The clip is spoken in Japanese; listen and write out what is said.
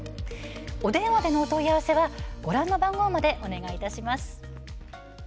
お電話でのお問い合わせはご覧の番号までお願いします。